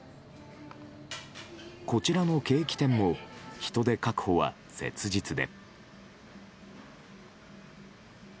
こちらのケーキ店も人手確保は切実で。